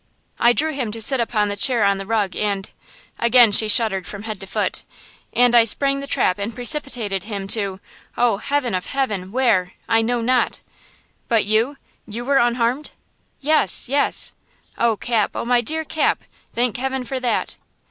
"I drew him to sit upon the chair on the rug, and"–again she shuddered from head to foot, "and I sprang the trap and precipitated him to–oh, heaven of heaven!–where? I know not!" "But you–you were unharmed?" "Yes–yes!" "Oh, Cap! Oh, my dear Cap! Thank heaven for that!"